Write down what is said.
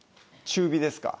中火ですか？